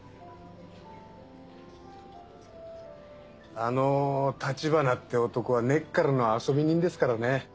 あの立花って男は根っからの遊び人ですからね。